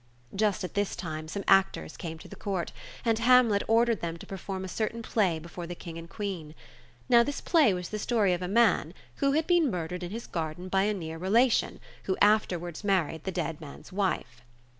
Just at this time some actors came to the Court, and Hamlet ordered them to perform a certain play before the King and Queen. Now, this play was the story of a man who had been murdered in his garden by a near relation, who afterwards married the dead man's wife.